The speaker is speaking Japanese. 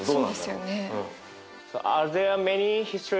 そうですよね。